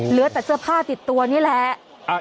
เหลือแต่เสื้อผ้าติดตัวนี่แหละ